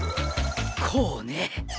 こうね。